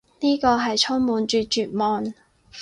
呢個係充滿住絕望